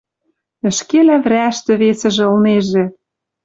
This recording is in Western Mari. Ӹшке лявӹрӓштӹ весӹжӹ ылнежӹ